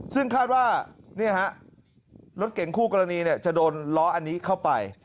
ซึ่งคาดว่ารถเก่งคู่กรณีจะโดนล้ออันนี้เข้าไป